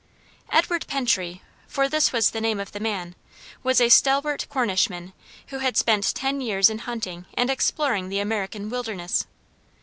Edward Pentry, for this was the name of the man, was a stalwart Cornishman who had spent ten years in hunting and exploring the American wilderness.